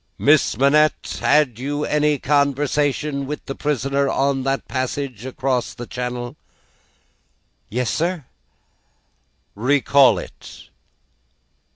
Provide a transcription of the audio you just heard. "Miss Manette, had you any conversation with the prisoner on that passage across the Channel?" "Yes, sir." "Recall it."